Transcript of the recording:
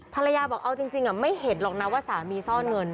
ภรรยาบอกเอาจริงไม่เห็นหรอกนะว่าสามีซ่อนเงิน